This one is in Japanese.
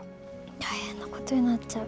大変なことになっちゃう。